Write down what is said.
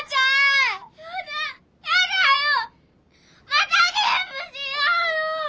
またゲームしようよ！